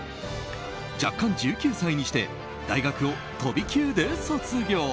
弱冠１９歳にして大学を飛び級で卒業。